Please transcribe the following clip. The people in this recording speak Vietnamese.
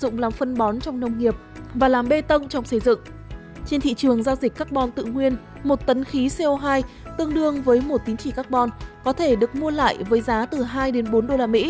một tấn khí co hai tương đương với một tín trị carbon có thể được mua lại với giá từ hai bốn usd